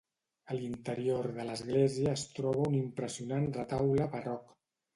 A l'interior de l'església es troba un impressionant retaule barroc.